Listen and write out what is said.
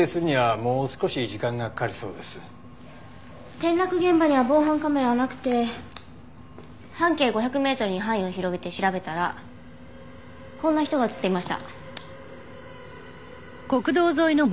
転落現場には防犯カメラはなくて半径５００メートルに範囲を広げて調べたらこんな人が映っていました。